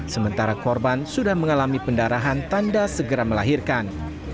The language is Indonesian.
sementara korban sudah mengalami pendarahan tanda segera melahirkan